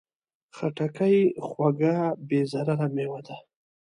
خټکی خوږه، بې ضرره مېوه ده.